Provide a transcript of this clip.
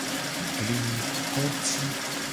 Gli konguti.